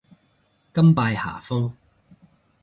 甘拜下風